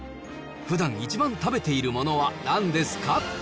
ふだん一番食べているものはなんですか？